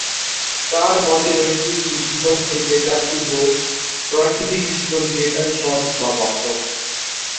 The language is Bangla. তার মতে, নৈতিক দৃষ্টিকোণ থেকে যা শুভ, প্রাকৃতিক দৃষ্টিকোণ থেকে তাই সৎ বা বাস্তব।